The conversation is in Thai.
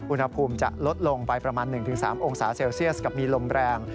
อุณหภูมิจะลดลงไปประมาณ๑๓องศาเซลเซียสกับมีลมแรง